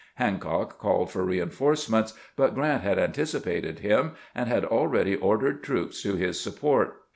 Hancock called for reinforcements, but Grant had an ticipated him and had already ordered troops to his support.